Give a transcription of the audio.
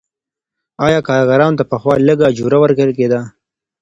آیا کارګرانو ته پخوا لږه اجوره ورکول کیده؟